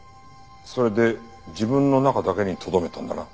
それで自分の中だけにとどめたんだな。